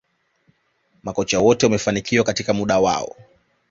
Makocha wote wamefanikiwa katika muda wao